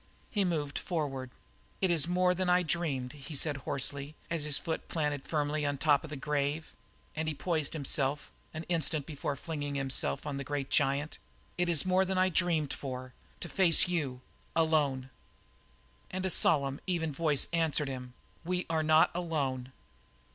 He moved forward. "It is more than I dreamed," he said hoarsely, as his foot planted firmly on the top of the grave, and he poised himself an instant before flinging himself on the grey giant. "It is more than I dreamed for to face you alone!" And a solemn, even voice answered him, "We are not alone."